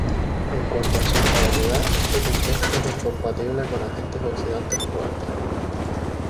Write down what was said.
En cuanto a su estabilidad, este compuesto es incompatible con agentes oxidantes fuertes.